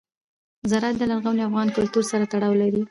زراعت د لرغوني افغان کلتور سره تړاو لري.